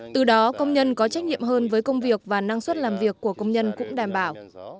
từ đó công nhân có trách nhiệm hơn với công việc và năng suất làm việc của công nhân cũng đảm bảo